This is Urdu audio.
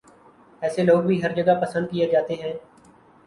ایسے لوگ بھی ہر جگہ پسند کیے جاتے ہیں